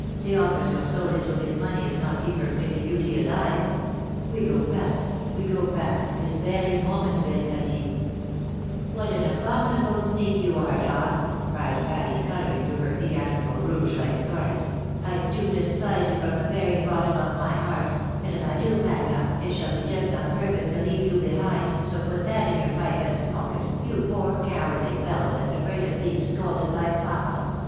Dey ofiers her so little bit money as not keep her pretty beauty aUve. We go pack, we go pack, this very moment, belle Pati." " What an abominable sneak you are, Don !" cried Patty, PATTY NOT TO BE OUKTAILfeD OF I IER SLEEP. 259 colouring tlirougli her theatrical rouge like scarlet. " I do despise you from the very bottom of my heart ; and if I do pack up, it shall be just on purpose to leave you behind, so put that in your pipe and smoke it, you poor cowardly fellow, that's afraid of being scolded by papa.